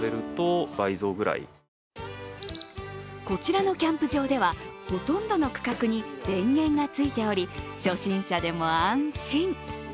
こちらのキャンプ場では、ほとんどの区画に電源がついており初心者でも安心。